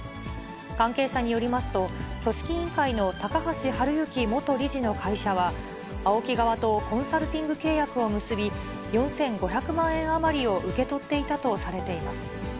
関係者によりますと、組織委員会の高橋治之元理事の会社は、ＡＯＫＩ側とコンサルティング契約を結び、４５００万円余りを受け取っていたとされています。